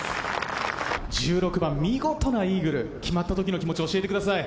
１６番、見事なイーグル、決まったときの気持ちを教えてください。